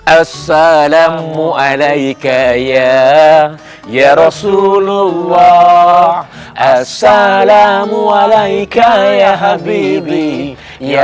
assalamualaikum ya ya rasulullah assalamualaikum ya habibie ya